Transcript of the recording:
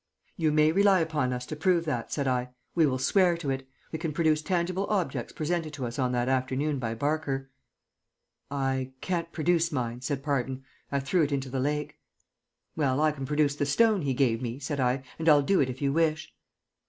"You may rely upon us to prove that," said I. "We will swear to it. We can produce tangible objects presented to us on that afternoon by Barker " "I can't produce mine," said Parton. "I threw it into the lake." "Well, I can produce the stone he gave me," said I, "and I'll do it if you wish."